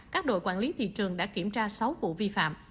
các đội quản lý thị trường đã kiểm tra sáu vụ vi phạm